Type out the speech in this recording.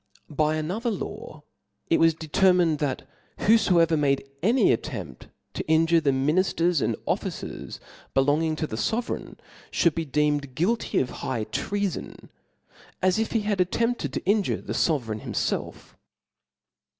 By another law it was determined, that who ^ ibever made any attempt to injure the minifters and officers belonging tb the fovereign, (hould be deemed guilty of high treafon, as if he had attenjpted tp in jure the fovereign himfelf ("*).